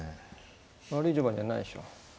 悪い序盤じゃないでしょ。